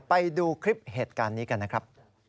ไปดูคลิปเหตุการณ์นี้กันนะครับ